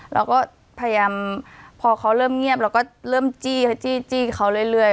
เราก็พยายามพอเขาเริ่มเงียบเราก็เริ่มจี้เขาจี้เขาเรื่อย